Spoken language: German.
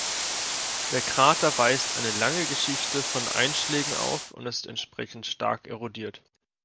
Der Krater weist eine lange Geschichte von Einschlägen auf und ist entsprechend stark erodiert.